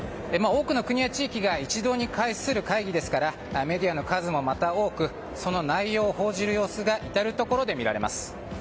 多くの国や地域が一堂に会する会議ですからメディアの数もまた多くその内容を報じる様子が至るところで見られます。